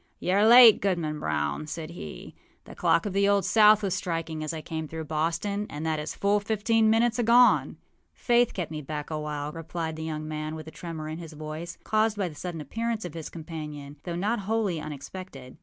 âYou are late, Goodman Brown,â said he. âThe clock of the Old South was striking as I came through Boston, and that is full fifteen minutes agone.â âFaith kept me back a while,â replied the young man, with a tremor in his voice, caused by the sudden appearance of his companion, though not wholly unexpected.